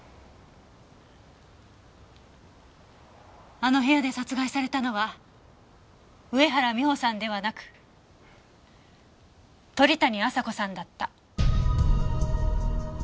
あの部屋で殺害されたのは上原美帆さんではなく鳥谷亜沙子さんだった。